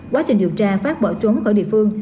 quá trình điều tra phát bỏ trốn khỏi địa phương